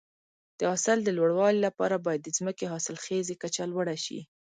د حاصل د لوړوالي لپاره باید د ځمکې حاصلخیزي کچه لوړه شي.